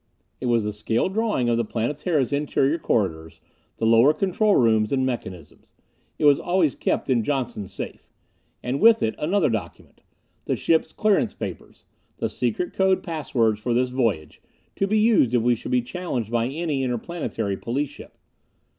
It was the scale drawing of the Planetara's interior corridors, the lower control rooms and mechanisms. It was always kept in Johnson's safe. And with it, another document: the ship's clearance papers the secret code pass words for this voyage, to be used if we should be challenged by any interplanetary police ship.